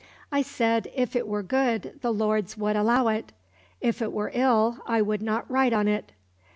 I said if it were good the Lords would allow it; if it were ill I would not write on it.